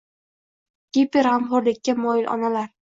Giperg‘amxo‘rlikka moyil onalar